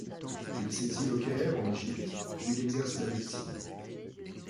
Il s'exile au Caire en Égypte où il exerce la médecine.